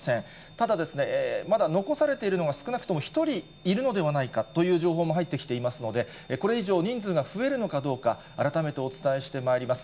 ただ、まだ残されているのが少なくとも１人いるのではないかという情報も入ってきていますので、これ以上、人数が増えるのかどうか、改めてお伝えしてまいります。